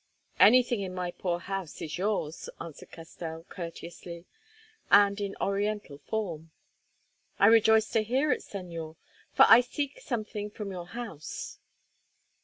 "Anything in my poor house is yours," answered Castell courteously, and in Oriental form. "I rejoice to hear it, Señor, for I seek something from your house."